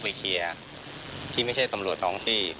ชอบเป็นคนที่ไม่ใช่ถ้ำลวงทองที่